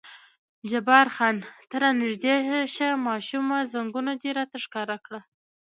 جبار خان: ته را نږدې شه ماشومه، زنګون دې راته ښکاره کړه.